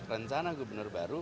rencana gubernur baru